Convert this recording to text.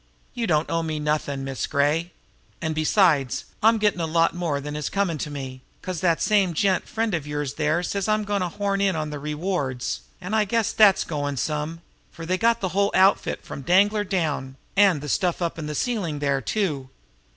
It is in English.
You don't owe me nothin', Miss Gray; and, besides, I'm gettin' a lot more than is comm' to me, 'cause that same gent friend of yours there says I'm goin' to horn in on the rewards, and I guess that's goin' some, for they got the whole outfit from Danglar down, and the stuff up in the ceiling there, too."